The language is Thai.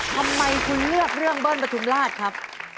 ทำไมคุณเลือกเรื่องเบิ้ลประทุมราชครับ